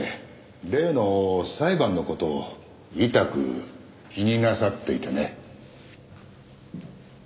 例の裁判の事をいたく気になさっていてね。